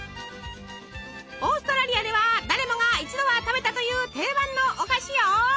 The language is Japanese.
オーストラリアでは誰もが一度は食べたという定番のお菓子よ。